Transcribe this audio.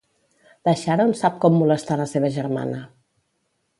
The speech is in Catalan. La Sharon sap com molestar la seva germana.